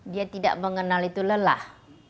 dia tidak mengenal itu lelah